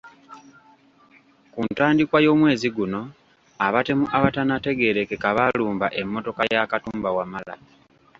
Ku ntandikwa y’omwezi guno, abatemu abatannategeerekeka baalumba emmotoka ya Katumba Wamala.